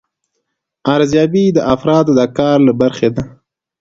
ارزیابي د افرادو د کار له برخې ده.